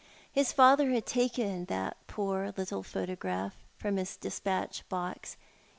His father had taken that poor little photograph from his despatch box.